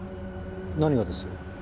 何がです？